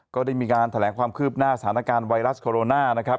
ก็ได้มีการแถลงความคืบหน้าสถานการณ์ไวรัสโคโรนานะครับ